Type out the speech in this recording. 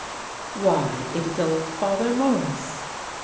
"Why, it is old Father Morris."